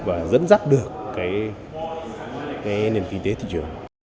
và dẫn dắt được nền kinh tế thị trường